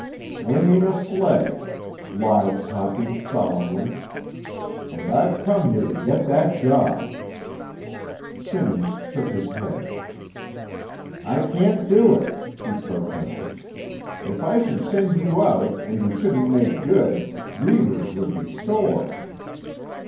"Swinging a sledge," lied Toppy solemnly. "And I've come here to get that job." Simmons shook his head. "I can't do it," he protested. "If I should send you out and you shouldn't make good, Reivers would be sore."